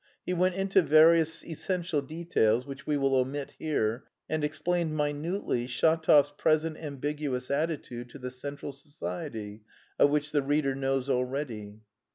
He went into various essential details which we will omit here, and explained minutely Shatov's present ambiguous attitude to the central society, of which the reader knows already.